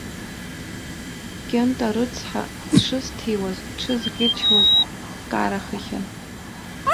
Кьынта рыцҳа, дшысҭиуаз, дшысӷьычуаз дкарахахьан.